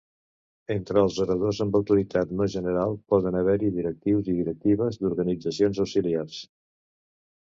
Entre els oradors amb autoritat no general poden haver-hi directius i directives d'organitzacions auxiliars.